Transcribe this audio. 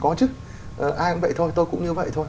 có chức ai cũng vậy thôi tôi cũng như vậy thôi